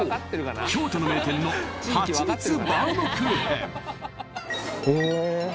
京都の名店のはちみつバウムクーヘンえ